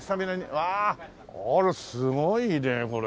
うわあらすごいねこれ。